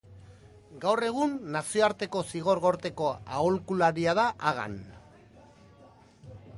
Gaur egun, Nazioarteko Zigor Gorteko aholkularia da Hagan.